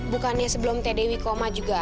bukannya sebelum teh dewi koma juga